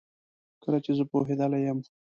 کله چي زه پوهیدلې یم